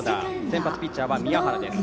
先発ピッチャーは宮原です。